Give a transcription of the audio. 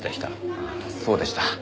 ああそうでした。